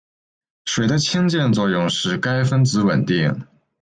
水的氢键作用使该分子稳定。